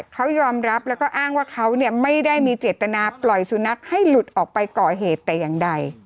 เขายอมรับแล้วก็อ้างว่าเขาไม่ได้มีเจตนาปล่อยสุนัขให้หลุดออกไปก่อเหตุแต่อย่างใด